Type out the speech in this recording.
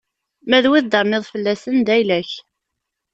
Ma d wid i d-terniḍ fell-asen, d ayla-k.